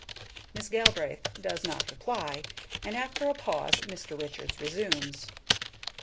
Miss Galbraith does not reply, and after a pause Mr. Richards resumes.